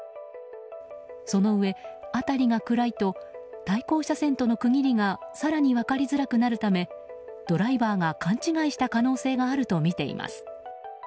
そのうえ、辺りが暗いと対向車線との区切りが更に分かりづらくなるためドライバーが勘違いした可能性があるとみています。